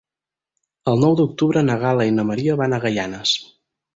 El nou d'octubre na Gal·la i na Maria van a Gaianes.